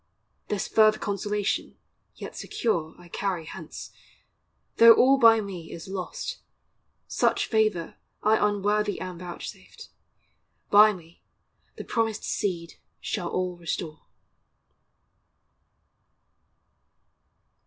This further consolation, yet secure, I carry hence; though all by me is lost, Such favor I unworthy am vouchsafed, By me the promised Seed shall all restore.